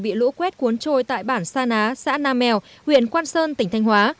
bị lũ quét cuốn trôi tại bản sa ná xã nam mèo huyện quang sơn tỉnh thanh hóa